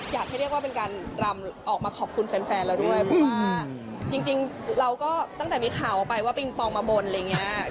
อยากให้เรียกว่าเป็นการรำออกมาขอบคุณแฟนเราด้วยเพราะว่าจริงเราก็ตั้งแต่มีข่าวออกไปว่าปิงปองมาบนอะไรอย่างนี้